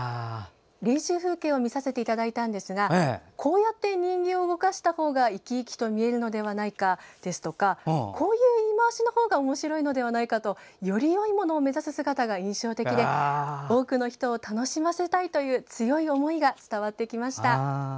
練習風景を見させていただいたのですがこうやって人形を動かしたほうが生き生きと見えるのではないかですとかこういう言い回しのほうがおもしろいのではないかとよりよいものを目指す姿が印象的で多くの人を楽しませたいという強い思いが伝わってきました。